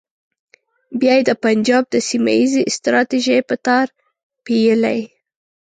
بیا یې د پنجاب د سیمه ییزې ستراتیژۍ په تار پېیلې.